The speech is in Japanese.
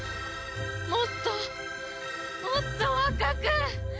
もっともっと若く！